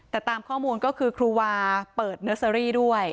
แต่ตามข้อมูลก็คือครูวาเปิดเนอร์เซอรี่ด้วย